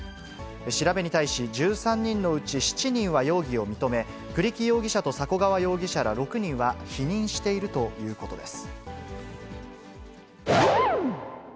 調べに対し、１３人のうち７人は容疑を認め、栗木容疑者とさこ川容疑者ら６人は否認しているということです。